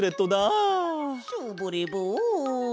ショボレボン！